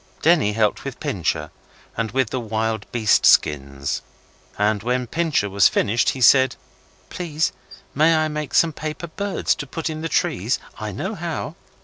Denny helped with Pincher, and with the wild beast skins, and when Pincher was finished he said 'Please, may I make some paper birds to put in the trees? I know how.